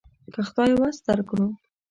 که خدای وس درکړو.